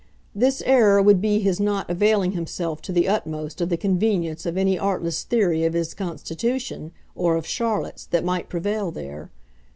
This error would be his not availing himself to the utmost of the convenience of any artless theory of his constitution, or of Charlotte's, that might prevail there.